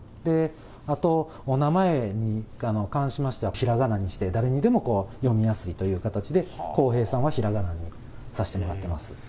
あと、お名前に関しましてはひらがなにして、誰にでも読みやすいという形で、こうへいさんはひらがなにさせてもらっています。